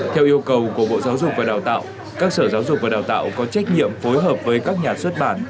theo yêu cầu của bộ giáo dục và đào tạo các sở giáo dục và đào tạo có trách nhiệm phối hợp với các nhà xuất bản